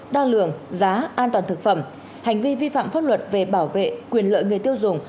đo lường giá an toàn thực phẩm hành vi vi phạm pháp luật về bảo vệ quyền lợi người tiêu dùng